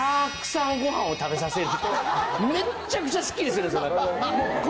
めっちゃくちゃスッキリするんですよ。